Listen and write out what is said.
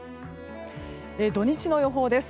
土日の予報です。